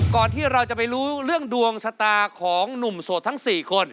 ที่เราจะไปรู้เรื่องดวงชะตาของหนุ่มโสดทั้ง๔คน